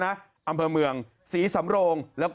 โอ้ยน้ำแรงมากเลย